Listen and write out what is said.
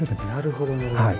なるほどなるほど。